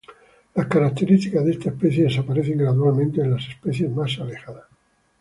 Las características de esta especie desaparecen gradualmente en las especies más alejadas.